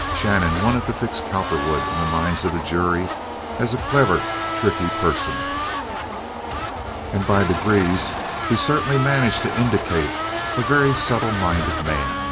Shannon wanted to fix Cowperwood in the minds of the jury as a clever, tricky person, and by degrees he certainly managed to indicate a very subtle minded man.